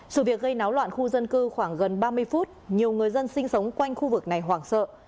sự việc gây náo loạn khu dân cư khoảng gần ba mươi phút nhiều người dân sinh sống quanh khu vực này hoảng sợ